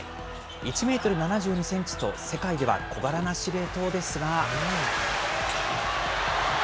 １メートル７２センチと世界では小柄な司令塔ですが。